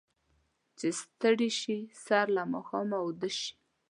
چې ستړي شي، سر له ماښامه اوده شي.